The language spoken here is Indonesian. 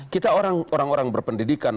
kita orang orang berpendidikan